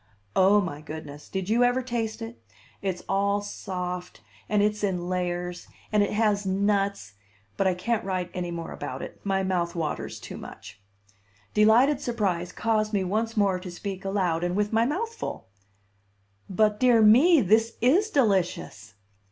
Oh, my goodness! Did you ever taste it? It's all soft, and it's in layers, and it has nuts but I can't write any more about it; my mouth waters too much. Delighted surprise caused me once more to speak aloud, and with my mouth full. "But, dear me, this Is delicious!"